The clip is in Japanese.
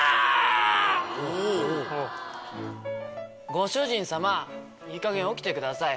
ご主人様いいかげん起きてください。